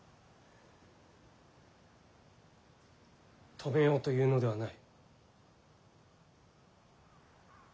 止めようというのではない。